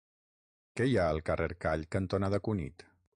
Què hi ha al carrer Call cantonada Cunit?